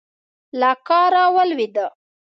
له کاره ولوېده.